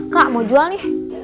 kak mau jual nih